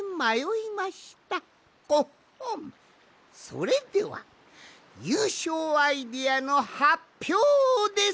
それではゆうしょうアイデアのはっぴょうです。